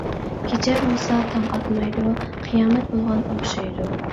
كېچە بولسا تاڭ ئاتمايدۇ، قىيامەت بولغان ئوخشايدۇ.